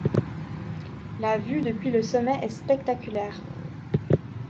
La vue depuis le sommet est spectaculaire.